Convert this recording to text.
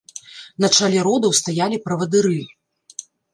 На чале родаў стаялі правадыры.